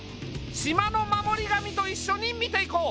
島の守り神と一緒に見ていこう。